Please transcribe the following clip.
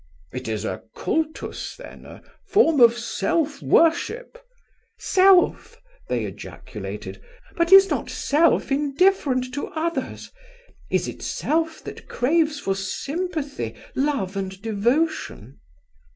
"It is a cultus, then, a form of self worship." "Self!" they ejaculated. "But is not Self indifferent to others? Is it Self that craves for sympathy, love, and devotion?"